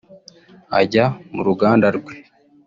Ajya mu ruganda rwe